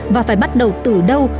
và phải bắt đầu từ đâu